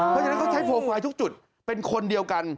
เพราะฉะนั้นเขาใช้โปรไฟล์ทุกจุดเป็นคนเดียวกัน